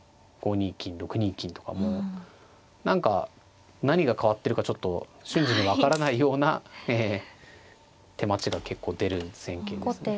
５二金６二金とかも何か何が変わってるかちょっと瞬時に分からないような手待ちが結構出る戦型ですね。